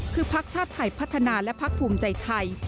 คือพักชาติไทยพัฒนาและพักภูมิใจไทย